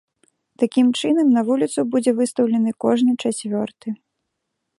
Такім чынам, на вуліцу будзе выстаўлены кожны чацвёрты.